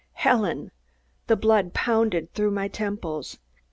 Helen! The blood pounded through my temples.